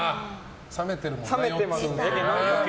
冷めてます。